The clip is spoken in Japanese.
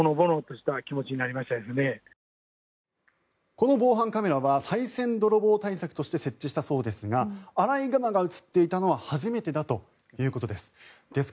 この防犯カメラはさい銭泥棒対策として設置したそうですがアライグマが映っていたのは初めてだということです。